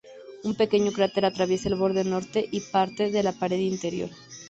Un pequeño cráter atraviesa el borde norte y parte de la pared interior.